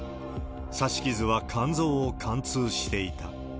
刺し傷は肝臓を貫通していた。